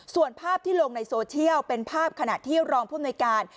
ส่วนภาพที่ลงในโซเชียลเป็นภาพขณะที่รองผู้อำนวยการ